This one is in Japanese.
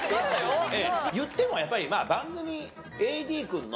言ってもやっぱり番組ＡＤ君の。